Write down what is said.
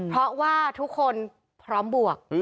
เพราะว่าทุกคนพร้อมบวก